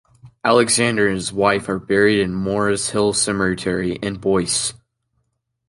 Alexander and his wife are buried in Morris Hill Cemetery in Boise.